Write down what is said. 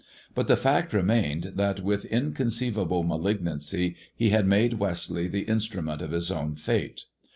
But the fact remained that with in conceivable malignancy he had made Westleigh the instm ment of his own fate.